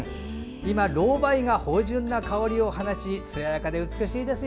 今、ロウバイが芳じゅんな香りを放ちつややかで美しいですよ。